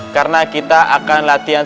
karena kita akan latihan